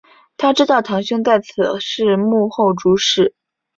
她知道堂兄在此事幕后主使。